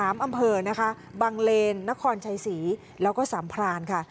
อำเภอนะคะบังเลนนครชัยศรีแล้วก็สามพรานค่ะ